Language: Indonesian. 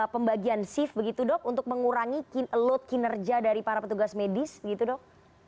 pembagian shift begitu dok untuk mengurangi load kinerja dari para petugas medis begitu dok